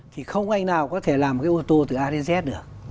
thì không ai nào có thể làm cái ô tô từ a đến z được